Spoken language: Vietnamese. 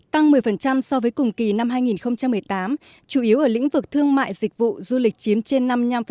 tăng một mươi so với cùng kỳ năm hai nghìn một mươi tám chủ yếu ở lĩnh vực thương mại dịch vụ du lịch chiếm trên năm mươi năm